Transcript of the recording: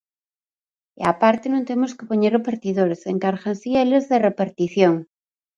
E á parte non temos que poñer repartidores e encárganse eles da repartición.